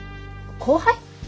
後輩？